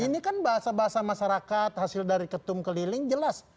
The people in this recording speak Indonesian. ini kan bahasa bahasa masyarakat hasil dari ketum keliling jelas